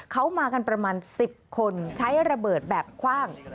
เขามากันประมาณ๑๐คนใช้ระเบิดแบบคว่าง